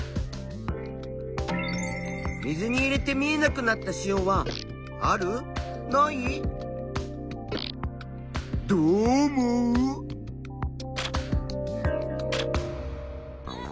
水に入れて見えなくなった塩はどう思う？